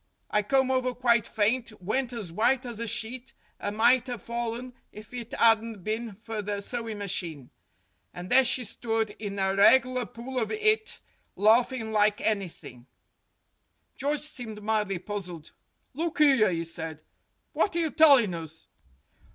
I come over quite faint, went as white as a sheet, and might 'ave fallen if it 'adn't bin for the sewing machine. And there she stood in a reg'lar pool of it, larfin' like anythink." George seemed mildly puzzled. "Look 'ere," he said, "what are you tellin' us?"